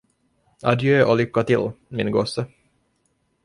Adjö och lycka till, min gosse!